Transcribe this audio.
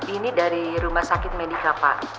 ini dari rumah sakit medica pak